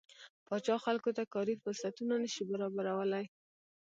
پاچا خلکو ته کاري فرصتونه نشي برابرولى.